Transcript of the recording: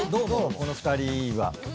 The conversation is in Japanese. この２人は。